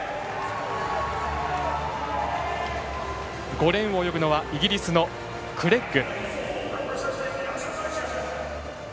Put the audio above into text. ５レーンを泳ぐのはイギリスのクレッグ。